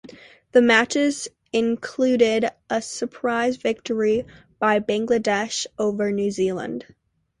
The matches included a surprise victory by Bangladesh over New Zealand.